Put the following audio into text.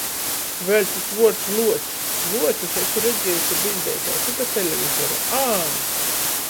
Vēļ tys vuords luoči... Luočus asu redziejuse biļdeitēs i pa televizoru. Ā!